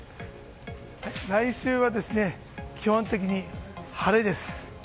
来週は、基本的に晴れです。